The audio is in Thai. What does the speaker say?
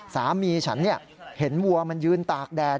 สามีฉันเห็นวัวมันยืนตากแดด